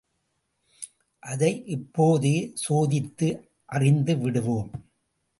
அதை இப்போதே சோதித்து அறிந்துவிடுவோம்.